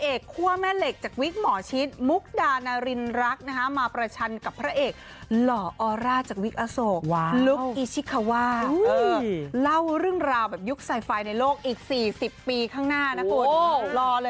เออเล่าเรื่องราวแบบยุคไซไฟในโลกอีกสี่สี่ปีข้างหน้านะครุ่น